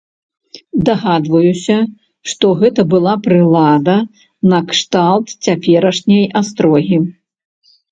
Дагадваюся, што гэта была прылада накшталт цяперашняй астрогі.